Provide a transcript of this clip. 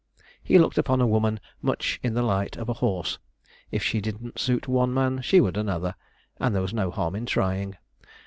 He looked upon a woman much in the light of a horse; if she didn't suit one man, she would another, and there was no harm in trying.